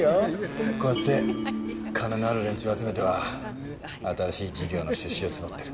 こうやって金のある連中を集めては新しい事業の出資を募ってる。